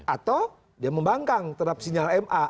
atau dia membangkang terhadap sinyal ma